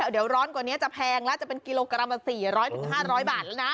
เดี๋ยวร้อนกว่านี้จะแพงแล้วจะเป็นกิโลกรัมละ๔๐๐๕๐๐บาทแล้วนะ